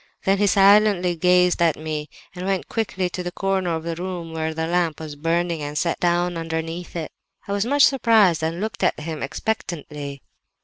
Then he silently gazed at me and went quickly to the corner of the room where the lamp was burning and sat down underneath it. "I was much surprised, and looked at him expectantly.